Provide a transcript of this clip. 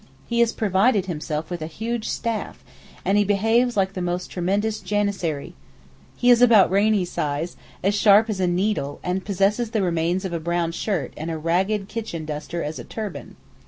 He has provided himself with a huge staff, and he behaves like the most tremendous janissary. He is about Rainie's size, as sharp as a needle, and possesses the remains of a brown shirt and a ragged kitchen duster as turban.